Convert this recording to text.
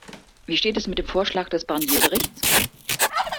Wie steht es mit dem Vorschlag des Barnier-Berichts?